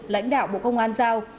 lãnh đạo bộ công an giao